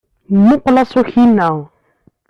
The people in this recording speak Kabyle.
Mmuqqel aṣuk-inna.